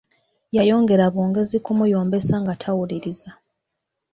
Yayongera bwongezi kumuyombesa nga tawuliriza.